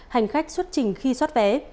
hành khách xuất trình khi xót vé